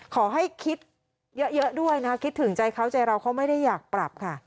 ขอให้คิดเยอะด้วยนะคิดถึงใจเขาใจเราเขาไม่ได้อยากปรับค่ะ